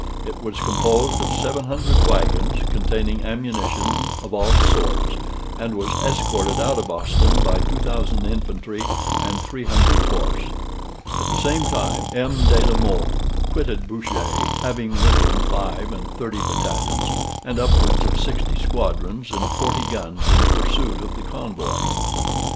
It was composed of 700 wagons, containing ammunition of all sorts, and was escorted out of Ostend by 2,000 infantry and 300 horse. At the same time M. de la Mothe quitted Bruges, having with him five and thirty battalions, and upwards of sixty squadrons and forty guns, in pursuit of the convoy.